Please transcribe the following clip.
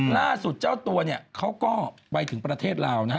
ล่าสุดเจ้าตัวเนี่ยเขาก็ไปถึงประเทศลาวนะฮะ